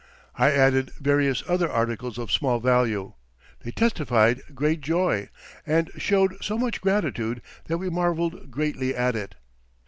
I added various other articles of small value; they testified great joy, and showed so much gratitude that we marvelled greatly at it.